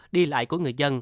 đi lại của người dân